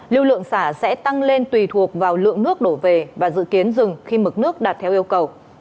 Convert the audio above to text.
lưu lượng xả sẽ tăng lên tùy thuộc vào lượng nước đổ về và dự kiến dừng khi mực nước đạt theo yêu cầu